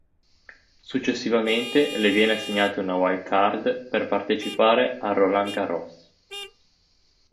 Successivamente, le viene assegnata una wild-card per partecipare al Roland Garros.